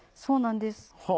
そうなんです。